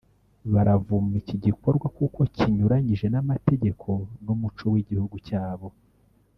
baravuma iki gikorwa kuko kinyuranyije n’amategeko n’umuco w’igihugu cyabo